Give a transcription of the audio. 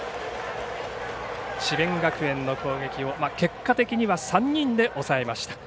智弁学園の攻撃を結果的には３人で抑えました。